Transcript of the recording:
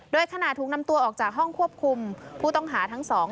โดยขณะถูกนำตัวออกจากห้องควบคุมผู้ต้องหาทั้งสอง